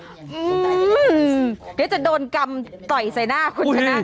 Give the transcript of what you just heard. เดี๋ยวจะโดนกำต่อยใส่หน้าคุณชนะ